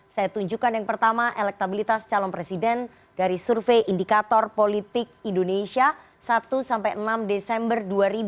saya tunjukkan yang pertama elektabilitas calon presiden dari survei indikator politik indonesia satu sampai enam desember dua ribu dua puluh